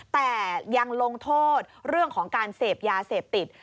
แต่ยังลงโทษเรื่องของการเสพยาเสพติด